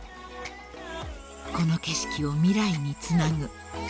［この景色を未来につなぐ］